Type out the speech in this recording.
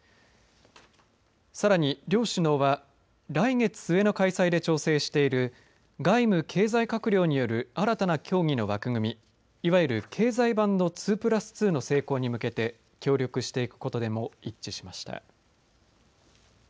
さらに、両首脳は来月末の開催で調整している外務・経済閣僚による新たな協議の枠組みいわゆる経済版の２プラス２の成功に向けて協力していくことでも一致しました。